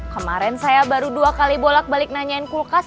kemarin saya baru dua kali bolak balik nanyain kulkas